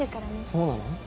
そうなの？